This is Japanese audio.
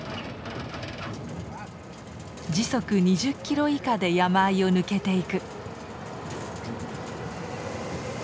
時速２０キロ以下で山あいを抜けていく。